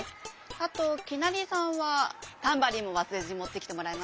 あときなりさんはタンバリンもわすれずにもってきてもらえますか？